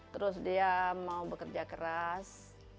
terus dia mau bekerja keras